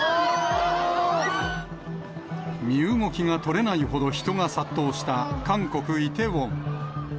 身動きが取れないほど人が殺到した、韓国・イテウォン。